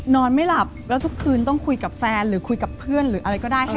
นอนไม่หลับแล้วทุกคืนต้องคุยกับแฟนหรือคุยกับเพื่อนหรืออะไรก็ได้ให้